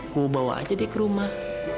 gue bawa aja deh ke rumah